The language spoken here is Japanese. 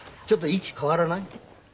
ちょっと位置変わらない？